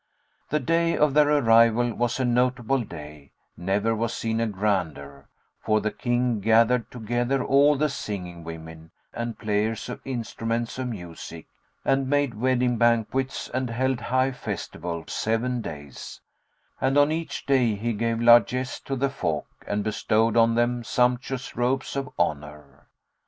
The day of their arrival was a notable day, never was seen a grander; for the King gathered together all the singing women and players on instruments of music and made wedding banquets and held high festival seven days; and on each day he gave largesse to the folk and bestowed on them sumptuous robes of honour.